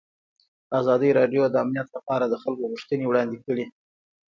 ازادي راډیو د امنیت لپاره د خلکو غوښتنې وړاندې کړي.